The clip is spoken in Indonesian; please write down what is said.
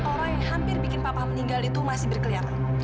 orang yang hampir bikin papa meninggal itu masih berkeliaran